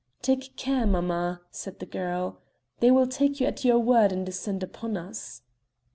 "Take care, mamma," said the girl, "they will take you at your word and descend upon us."